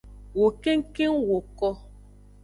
Wo kengkeng woko.